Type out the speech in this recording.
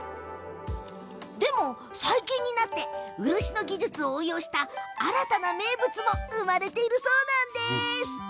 でも、最近になって漆の技術を応用した新たな名物も生まれているそうなんです。